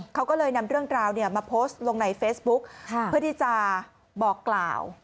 เขาก็เลยนำเรื่องราวมาโพสต์ลงในเฟซบุ๊กเพื่อที่จะบอกกล่าว